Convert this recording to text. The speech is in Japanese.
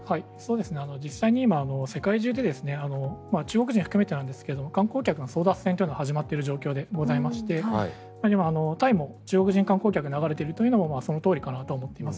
実際に今、世界中で中国人を含めてなんですが観光客の争奪戦というのが始まっている状況でしてタイにも中国人観光客が流れているのもそのとおりかなと思っています。